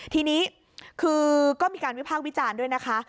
ทีนี้คือก็มีการวิพากษ์วิจารณ์ด้วยนะคะ